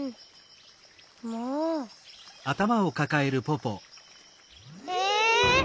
もう！え！？